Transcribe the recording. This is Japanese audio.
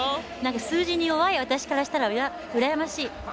数字に弱い私からしたらうらやましい。